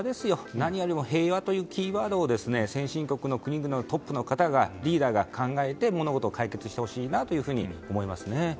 何よりも平和というキーワードを先進国のトップが物事を解決してほしいなと思いますね。